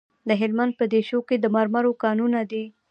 د هلمند په دیشو کې د مرمرو کانونه دي.